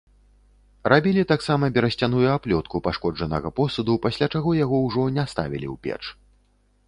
Рабілі таксама берасцяную аплётку пашкоджанага посуду, пасля чаго яго ўжо не ставілі ў печ.